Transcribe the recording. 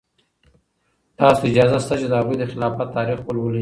تاسو ته اجازه شته چې د هغوی د خلافت تاریخ ولولئ.